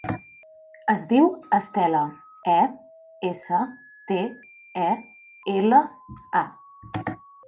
Es diu Estela: e, essa, te, e, ela, a.